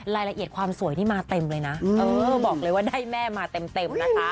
รายละเอียดความสวยนี่มาเต็มเลยนะเออบอกเลยว่าได้แม่มาเต็มนะคะ